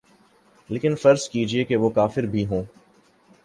لیکن فرض کیجیے کہ وہ کافر بھی ہوں۔